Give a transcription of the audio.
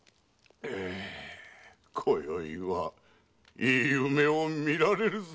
今宵はいい夢を見られるぞ。